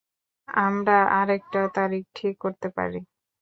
আমরা আরেকটা তারিখ ঠিক করতে পারি।